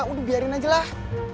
udah biarin aja lah